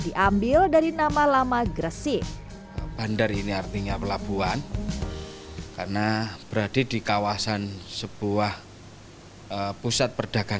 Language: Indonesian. diambil dari nama nama gresik bandar ini artinya pelabuhan karena berada di kawasan sebuah pusat perdagangan